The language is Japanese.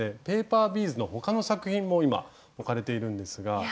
ペーパービーズの他の作品も今置かれているんですが。